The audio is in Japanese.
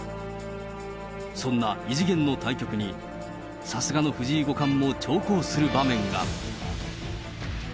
そんな異次元の対局に、さすがの藤井五冠も長考する場面が。